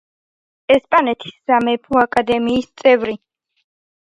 ესპანეთის სამეფო აკადემიის წევრი.